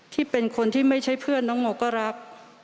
ที่เป็นคนที่ไม่ใช่เพื่อนน้องโมก็รับ